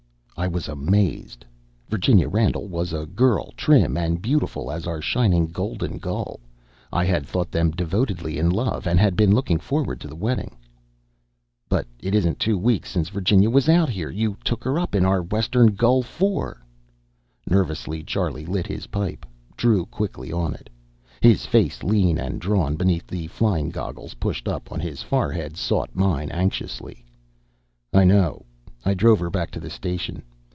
I was amazed. Virginia Randall was a girl trim and beautiful as our shining Golden Gull. I had thought them devotedly in love, and had been looking forward to the wedding. "But it isn't two weeks, since Virginia was out here! You took her up in our Western Gull IV!" Nervously Charlie lit his pipe, drew quickly on it. His face, lean and drawn beneath the flying goggles pushed up on his forehead, sought mine anxiously. "I know. I drove her back to the station.